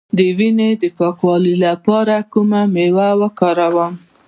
د وینې د پاکوالي لپاره کومه میوه وکاروم؟